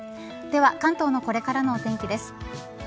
では関東のこれからのお天気です。